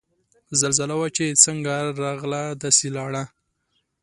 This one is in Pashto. زلزله وه چه څنګ راغله داسے لاړه